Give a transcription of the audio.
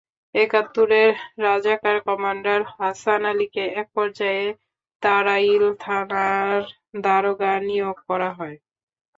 একাত্তরে রাজাকার কমান্ডার হাসান আলীকে একপর্যায়ে তাড়াইল থানার দারোগা নিয়োগ করা হয়।